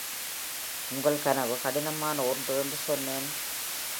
உங்கள் கனவு கடினமான ஒன்று என்று சொன்னேன்.